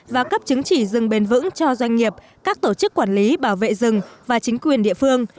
và cấp chứng chỉ rừng bền vững cho doanh nghiệp các tổ chức quản lý bảo vệ rừng và chính quyền địa phương